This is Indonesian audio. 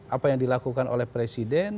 apa yang dilakukan oleh presiden